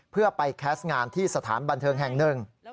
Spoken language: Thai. เพื่อไปแคสต์งานที่สถานบันเทิงแห่งหนึ่ง